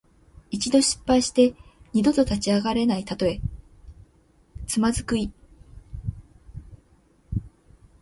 一度失敗して二度と立ち上がれないたとえ。「蹶」はつまずく意。